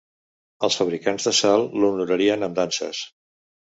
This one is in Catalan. Els fabricants de sal l'honorarien amb danses.